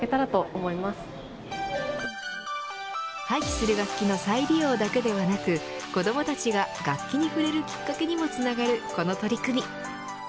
廃棄する楽器の再利用だけではなく子どもたちが楽器に触れるきっかけにもつながるこの取り組み。